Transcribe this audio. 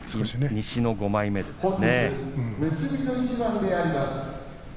西の５枚目です。